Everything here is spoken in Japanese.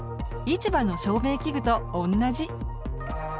市場の照明器具と同じ。